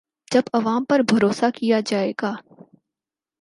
جب عوام پر بھروسہ کیا جائے گا۔